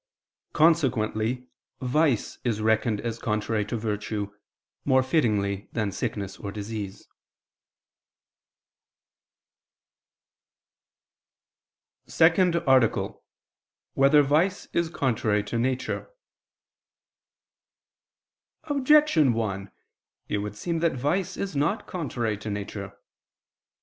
Consequently vice is reckoned as contrary to virtue, more fittingly than sickness or disease. ________________________ SECOND ARTICLE [I II, Q. 71, Art. 2] Whether Vice Is Contrary to Nature? Objection 1: It would seem that vice is not contrary to nature.